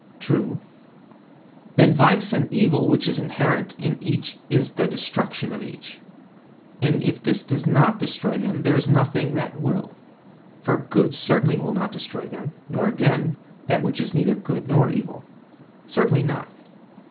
True. The vice and evil which is inherent in each is the destruction of each; and if this does not destroy them there is nothing else that will; for good certainly will not destroy them, nor again, that which is neither good nor evil. Certainly not.